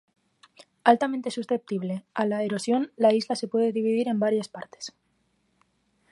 Altamente susceptible a la erosión, la isla se puede dividir en varias partes.